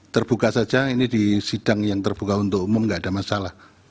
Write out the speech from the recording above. terbuka saja ini di sidang yang terbuka untuk umum tidak ada masalah